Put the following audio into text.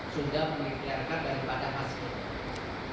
sudah mengiklirkan daripada masing masing